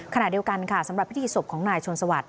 ขณะเดียวกันค่ะสำหรับพิธีศพของนายชนสวัสดิ